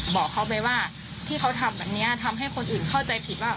บอกเขาไปว่าที่เขาทำแบบนี้ทำให้คนอื่นเข้าใจผิดว่า